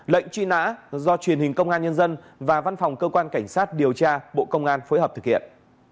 lệnh truy nã do truyền hình công an nhân dân và văn phòng cơ quan cảnh sát điều tra bộ công an phối hợp thực hiện